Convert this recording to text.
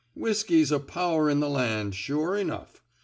Whiskey's a power in the land, sure enough.